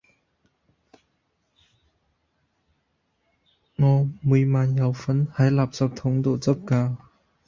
我每晚有份喺垃圾筒度執㗎